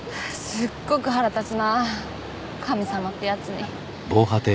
すっごく腹立つなぁ神様ってやつに。